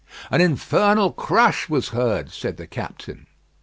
"An infernal crash was heard," said the captain.